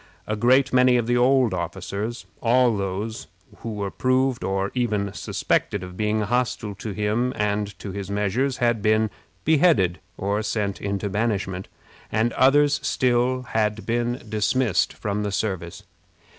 A great many of the old officers all those who were proved or even suspected of being hostile to him and to his measures had been beheaded or sent into banishment, and others still had been dismissed from the service.